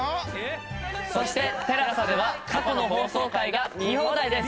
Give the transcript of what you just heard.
そしてＴＥＬＡＳＡでは過去の放送回が見放題です。